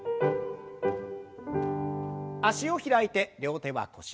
脚を開いて両手は腰の横に。